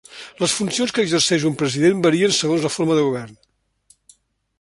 Les funcions que exerceix un president varien segons la forma de govern.